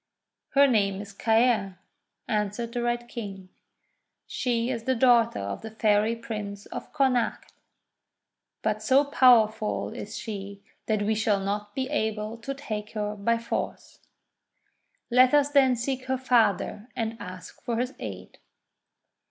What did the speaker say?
'Her name is Caer," answered the Red King. "She is the daughter of the Fairy Prince of Connacht. But so powerful is she that we shall not be able to take her by force. Let us then seek her father and ask for his aid."